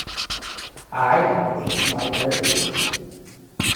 I don't believe in libraries.